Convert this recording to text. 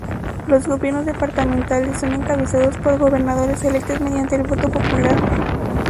Los gobiernos departamentales son encabezados por gobernadores electos mediante el voto popular.